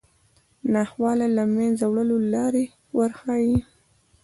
ناخوالو له منځه وړلو لارې وروښيي